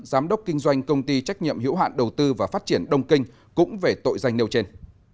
giám đốc kinh doanh công ty trách nhiệm hiểu hạn đầu tư và phát triển đông kinh cũng về tội danh nêu trên